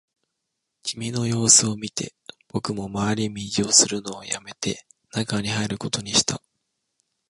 君の様子を見て、僕も回れ右をするのをやめて、中に入ることにした